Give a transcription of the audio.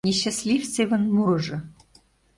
НЕСЧАСТЛИВЦЕВЫН МУРЫЖО